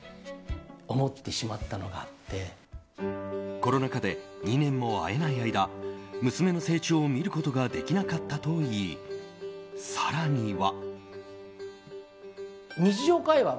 コロナ禍で２年も会えない間娘の成長を見ることができなかったといい、更には。